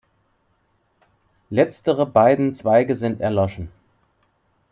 Letztere beiden Zweige sind erloschen.